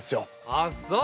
あっそう